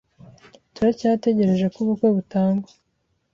Turacyategereje ko ubukwe butangwa.